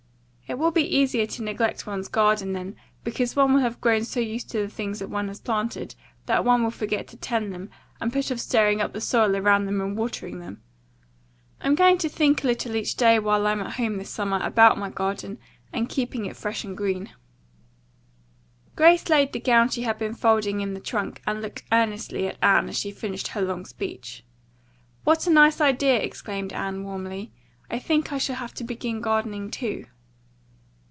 It will be easier to neglect one's garden, then, because one will have grown so used to the things one has planted that one will forget to tend them and put off stirring up the soil around them and watering them. I'm going to think a little each day while I'm home this summer about my garden and keep it fresh and green." Grace laid the gown she had been folding in the trunk and looked earnestly at Anne as she finished her long speech. "What a nice idea!" exclaimed Anne warmly. "I think I shall have to begin gardening, too."